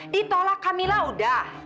ditolak kamila udah